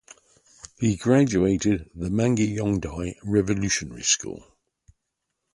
He graduated the Mangyongdae Revolutionary School.